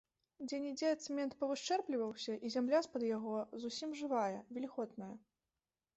Дзе-нідзе цэмент павышчэрбліваўся, і зямля з-пад яго зусім жывая, вільготная.